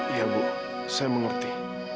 iya bu saya mengerti